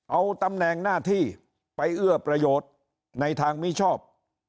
เอาตำแหน่งหน้าที่ไปเอื้อประโยชน์ในทางมิชอบ